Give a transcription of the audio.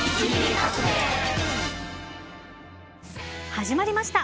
始まりました。